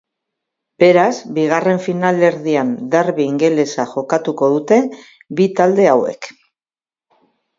Beraz, bigarren finalerdian derbi ingelesa jokatuko dute bi talde hauek.